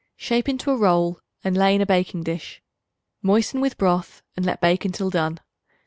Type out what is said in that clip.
Shape into a roll and lay in a baking dish; moisten with broth and let bake until done.